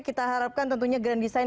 kita harapkan tentunya grand design